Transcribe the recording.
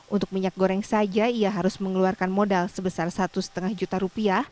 untuk minyak goreng saja ia harus mengeluarkan modal sebesar rp satu lima ratus